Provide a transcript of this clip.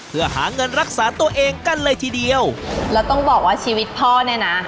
เพื่อหาเงินรักษาตัวเองกันเลยทีเดียวแล้วต้องบอกว่าชีวิตพ่อเนี่ยนะ